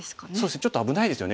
ちょっと危ないですよね